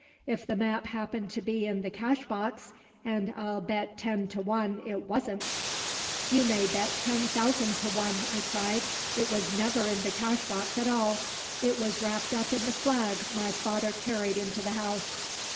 If the map happened to be in the cashbox, and I'll bet ten to one it wasn't " "You may bet ten thousand to one!" I cried. "It was never in the cashbox at all. It was wrapped up in the flag my father carried into the house."